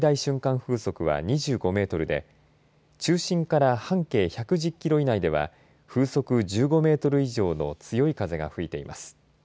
風速は２５メートルで中心から半径１１０キロ以内では風速１５メートル以上の強い風が吹いています。